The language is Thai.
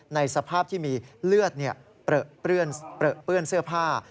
ในสภาพที่มีเลือดเปลื้อนเสื้อผ้า